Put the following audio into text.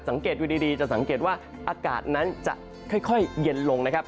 สังเกตดูดีจะสังเกตว่าอากาศนั้นจะค่อยเย็นลงนะครับ